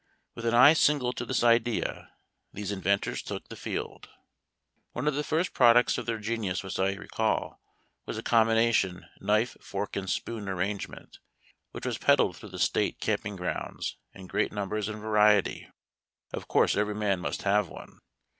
With an eye single to this idea these inventors took the field. One of the first products of their genius which I r'ecall was a combination knife forJc and spoon arrangement, which was peddled through the state camping grounds in great numbers and variety. Of course every man must have one.